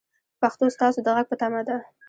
پښتو ستاسو د غږ په تمه ده.